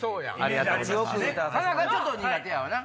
田中ちょっと苦手やわな。